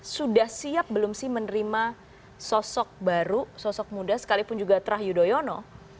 sudah siap belum sih menerima sosok baru sosok muda sekalipun juga terah yudhoyono